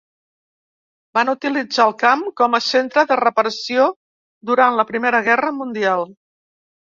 Van utilitzar el camp com a centre de reparació durant la Primera Guerra mundial.